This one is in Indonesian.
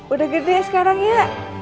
udah gede sekarang ya